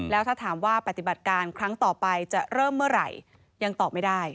แล้วถ้าถามว่าปฏิบัติการครั้งต่อไปจะเริ่มเมื่อไหร่ยังตอบไม่ได้